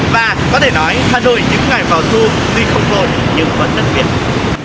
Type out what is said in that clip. và có thể nói hà nội những ngày vào thu tuy không nổi nhưng vẫn đặc biệt